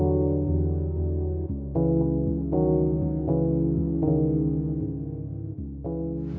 dan itu pasti butuh kejujuran yang tinggi